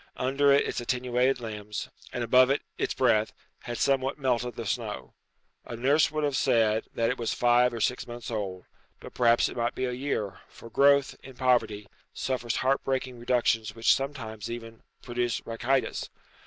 Under it its attenuated limbs, and above it its breath, had somewhat melted the snow. A nurse would have said that it was five or six months old, but perhaps it might be a year, for growth, in poverty, suffers heart breaking reductions which sometimes even produce rachitis.